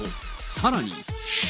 さらに。